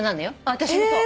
私もそう。